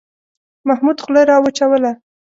محمود خوله را وچوله.